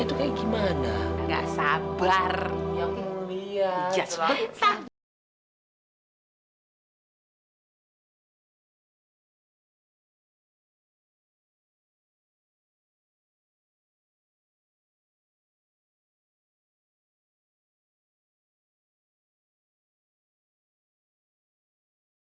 untuk bikin kebaya pengantin sekalian tes makeup